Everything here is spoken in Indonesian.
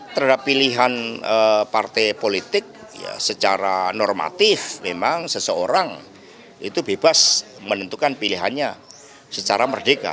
terhadap pilihan partai politik secara normatif memang seseorang itu bebas menentukan pilihannya secara merdeka